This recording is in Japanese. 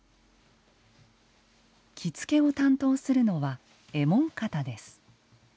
着付けを担当するのは衣紋方です。